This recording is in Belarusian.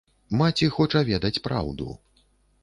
Маці хоча ведаць праўду.